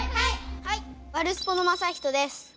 はいワルスポのまさひとです。